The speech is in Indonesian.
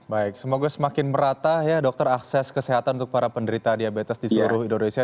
baik semoga semakin merata ya dokter akses kesehatan untuk para penderita diabetes di seluruh indonesia